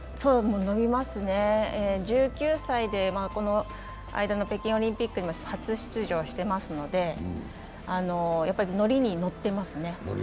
伸びますね、１９歳で、この間の北京オリンピックにも初出場してますので乗りに乗ってますね。